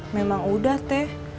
memang udah teh